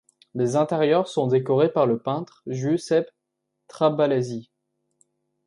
Les intérieurs sont décorés par le peintre Giuseppe Traballesi.